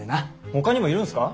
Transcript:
ほかにもいるんすか？